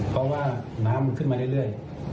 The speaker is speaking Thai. เพราะว่าน้ำมันขึ้นมาเรื่อย